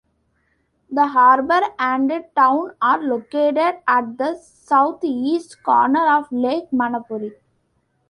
The harbour and town are located at the south-east corner of Lake Manapouri.